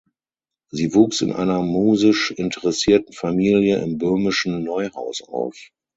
Sie wuchs in einer musisch interessierten Familie im böhmischen Neuhaus auf.